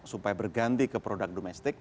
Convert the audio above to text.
supaya berganti ke produk domestik